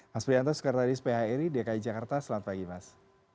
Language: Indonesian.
mas prianto sekretaris phri dki jakarta selamat pagi mas